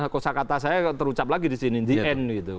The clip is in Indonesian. kosa kata saya terucap lagi di sini di n gitu